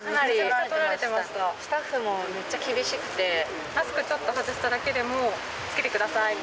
スタッフもめっちゃ厳しくて、マスクちょっと外しただけでも、着けてくださいって。